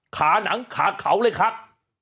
ขาหนังขาเขาเลยครับ